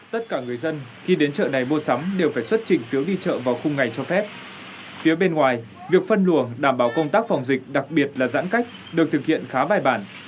tất cả người dân khi đến chợ này mua sắm đều phải xuất trình phiếu đi chợ vào khung ngày cho phép phía bên ngoài việc phân luồng đảm bảo công tác phòng dịch đặc biệt là giãn cách được thực hiện khá bài bản